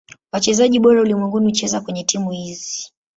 Wachezaji bora ulimwenguni hucheza kwenye timu hizi.